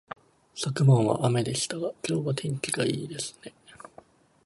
昨晩は雨でしたが、今日はいい天気ですね